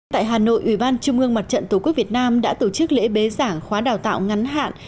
tại hà nội ủy ban trung ương mặt trận tổ quốc việt nam đã tổ chức lễ bế giảng khóa đào tạo ngắn hạn